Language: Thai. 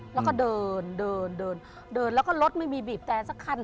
แล้วก็เดินแล้วก็รถไม่มีบีบแตนสักครั้ง